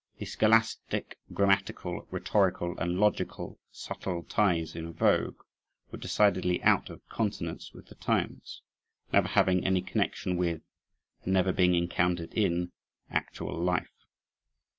The scholastic, grammatical, rhetorical, and logical subtle ties in vogue were decidedly out of consonance with the times, never having any connection with, and never being encountered in, actual life.